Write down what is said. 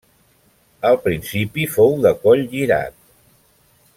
Al principi fou de coll girat.